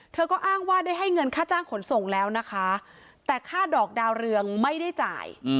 เธอก็อ้างว่าได้ให้เงินค่าจ้างขนส่งแล้วนะคะแต่ค่าดอกดาวเรืองไม่ได้จ่าย